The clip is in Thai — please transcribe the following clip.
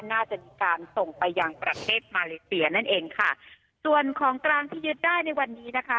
น่าจะมีการส่งไปยังประเทศมาเลเซียนั่นเองค่ะส่วนของกลางที่ยึดได้ในวันนี้นะคะ